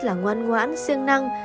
là ngoan ngoãn siêng năng